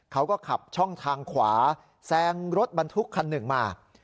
เขาก็ขับช่องทางขวาแซงรถบรรทุกคันหนึ่งมา